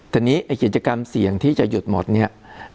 ทีนี้ไอ้กิจกรรมเสี่ยงที่จะหยุดหมดเนี่ย